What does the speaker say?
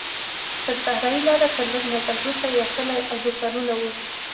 پر صحرایي لاره تر لږ مزل وروسته یو کلی او دوکانونه وو.